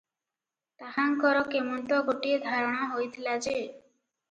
ତାହାଙ୍କର କେମନ୍ତ ଗୋଟିଏ ଧାରଣା ହୋଇଥିଲା ଯେ